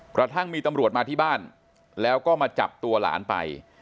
กระทั่งมีตำรวจมาที่บ้านแล้วก็มาจับตัวหลานไป